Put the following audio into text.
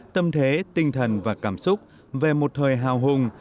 tâm thế tinh thần và cảm xúc về một thời hào hùng